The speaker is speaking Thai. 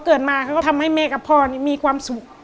เกิดมาเขาก็ทำให้แม่กับพ่อมีความสุข